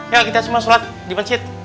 ya kita semua sholat di masjid